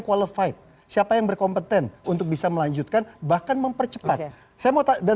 qualified siapa yang berkompeten untuk bisa melanjutkan bahkan mempercepat saya mau dan